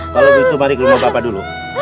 kalau begitu mari ke rumah bapak dulu